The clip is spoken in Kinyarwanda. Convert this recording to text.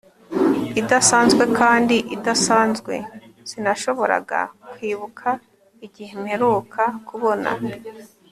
idasanzwe kandi idasanzwe. sinashoboraga kwibuka igihe mperuka kubona